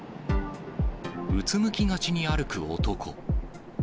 うつむきがちに歩く男。